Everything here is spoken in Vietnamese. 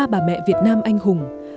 ba bà mẹ việt nam anh hùng